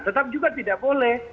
tetap juga tidak boleh